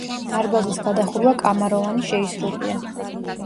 დარბაზის გადახურვა კამაროვანი შეისრულია.